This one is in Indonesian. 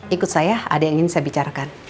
ikut saya ada yang ingin saya bicarakan